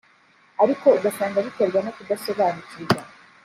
ariko ugasanga biterwa no kudasobanukirwa